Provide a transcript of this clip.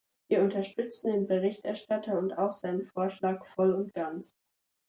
Wir unterstützen den Berichterstatter und auch seinen Vorschlag voll und ganz.